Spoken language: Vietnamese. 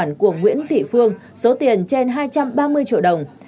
tài khoản của nguyễn thị phương số tiền trên hai trăm ba mươi triệu đồng